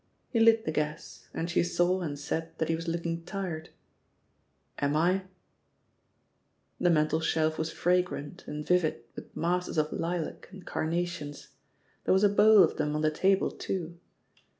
He lit the gas, and she saw and said that he was looking tired. "Am I?" The mantelshelf was fragrant and vivid with masses of lilac and carnations. There was a bowl of them on the table too.